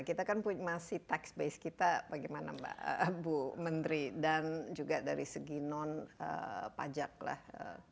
kita kan masih tax base kita bagaimana mbak bu menteri dan juga dari segi non pajak lah